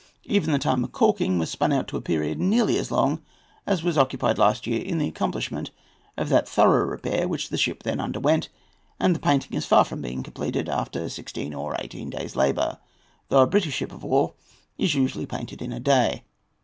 Even the time of caulking was spun out to a period nearly as long as was occupied last year in the accomplishment of that thorough repair which the ship then underwent; and the painting is far from being completed after sixteen or eighteen days' labour, though a British ship of war is usually painted in a day.